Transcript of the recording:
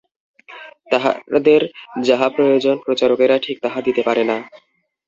তাহাদের যাহা প্রয়োজন, প্রচারকেরা ঠিক তাহা দিতে পারে না।